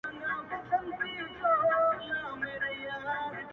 هغه نن بيا د واويلا خاوند دی;